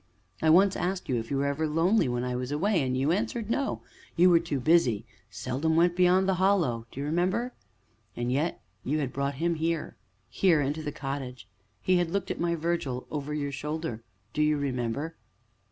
I once asked you if you were ever lonely when I was away, and you answered 'no', you were too busy 'seldom went beyond the Hollow' do you remember? And yet you had brought him here here, into the cottage he had looked at my Virgil over your shoulder do you remember?"